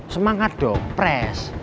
semangat dong press